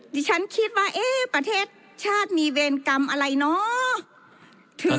ดิฉันคิดว่าเอ๊ะประเทศชาติมีเวรกรรมอะไรเนาะ